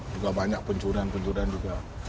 juga banyak pencuran pencuran juga